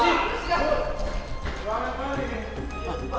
ruangan apaan ini